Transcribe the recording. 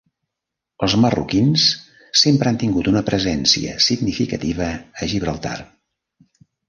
Els marroquins sempre han tingut una presència significativa a Gibraltar.